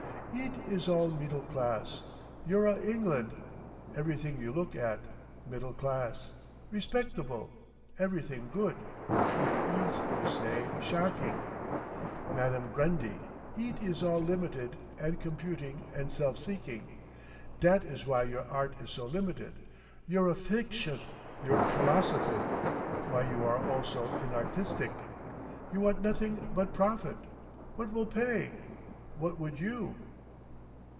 "Eet is all middle class, youra England. Everything you look at, middle class. Respectable! Everything good—eet is, you say, shocking. Madame Grundy! Eet is all limited and computing and self seeking. Dat is why your art is so limited, youra fiction, your philosophin, why you are all so inartistic. You want nothing but profit! What will pay! What would you?"...